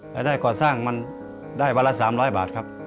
รายได้ก่อสร้างมันได้วันละ๓๐๐บาทครับ